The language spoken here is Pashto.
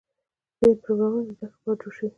ځینې پروګرامونه د زدهکړې لپاره جوړ شوي.